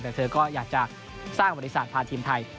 แต่เธอก็อยากจะสร้างบริษัทพาทีมไทย